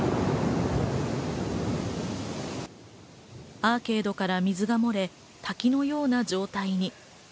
アーケードから水が漏れ、滝のような状態に。